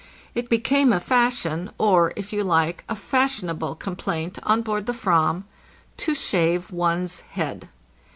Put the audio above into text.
It became a fashion, or, if you like, a fashionable complaint, on board the Fram, to shave one's head.